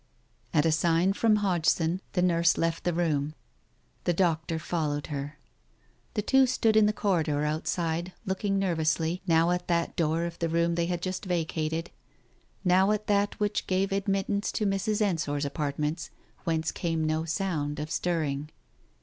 At a sign from Hodgson, the nurse left the room. The doctor followed her. The two stood in the corridor outside, looking nervously, now at that door of the room they had just vacated, now at that which gave admit tance to Mrs. Ensor's apartments, whence came no sound of stirring.